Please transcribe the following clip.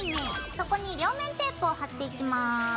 そこに両面テープを貼っていきます。